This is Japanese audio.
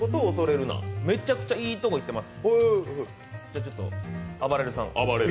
めちゃくちゃいいとこいってます。